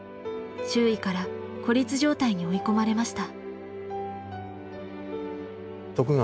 周囲から孤立状態に追い込まれました。